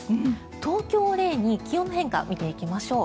東京の気温の変化を見ていきましょう。